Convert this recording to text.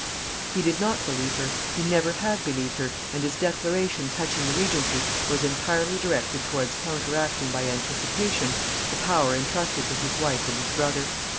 He did not believe her, he never had believed her, and his declaration touching the Regency was entirely directed towards counteracting by anticipation the power intrusted to his wife and his brother.